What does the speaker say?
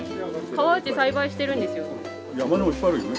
川内栽培してるんですよ。